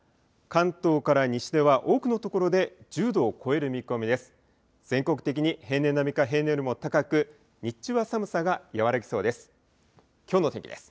関東から西では多くの所で１０度を超える見込みです。